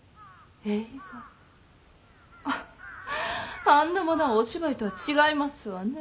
あっあんなものはお芝居とは違いますわね。